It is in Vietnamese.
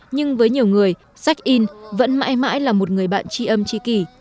nhưng với nhiều người sách yn vẫn mãi mãi là một người bạn chi âm chi kỳ